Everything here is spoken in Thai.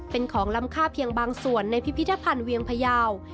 เป็นของล้ำค่าเพียงบางส่วนในพิพิธภัณฑ์เวียงพยาว